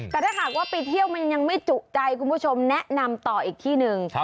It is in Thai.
แต่ถ้าหากว่าไปเที่ยวมันยังไม่จุใจคุณผู้ชมแนะนำต่ออีกที่หนึ่ง